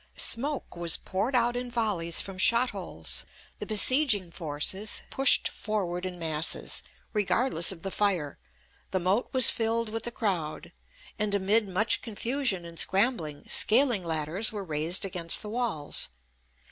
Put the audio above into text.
Smoke was poured out in volleys from shot holes; the besieging forces pushed forward in masses, regardless of the fire; the moat was filled with the crowd; and, amid much confusion and scrambling, scaling ladders were raised against the walls.